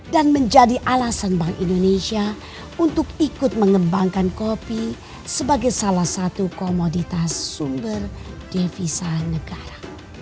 dan menjadi alasan bank indonesia untuk ikut mengembangkan kopi sebagai salah satu komoditas sumber devisa negara